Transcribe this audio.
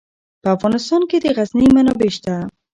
په افغانستان کې د غزني منابع شته.